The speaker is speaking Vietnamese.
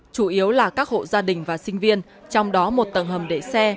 chủ yếu là các hộ gia đình và sinh viên trong đó một tầng hầm để xe